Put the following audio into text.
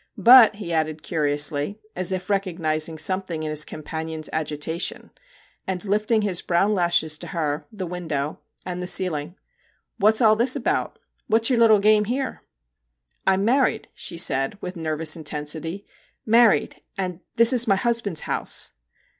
* But/ he added curiously, as if recognising something in his companion's agitation, and lifting his brown lashes to her, the window, and the 14 MR. JACK HAMLIN'S MEDIATION ceiling, ' What 's all this about ? What 's your little game here ?'' 1 'm married,' she said, with nervous in tensity 'married, and this is my husband's house